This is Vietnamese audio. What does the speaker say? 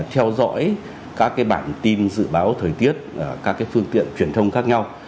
theo dõi các cái bản tin dự báo thời tiết các cái phương tiện truyền thông khác nhau